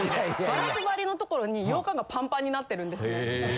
ガラス張りの所に羊羹がパンパンになってるんですね。